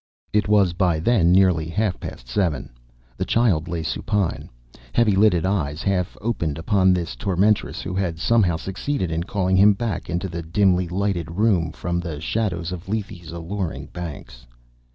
It was by then nearly half past seven. The child lay supine; heavy lidded eyes half opened upon this tormentress who had somehow succeeded in calling him back into the dimly lighted room from the shadows of Lethe's alluring banks.